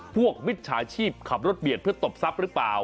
มิจฉาชีพขับรถเบียดเพื่อตบทรัพย์หรือเปล่า